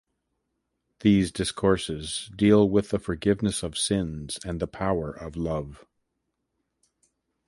These discourses deal with the forgiveness of sins and the power of love.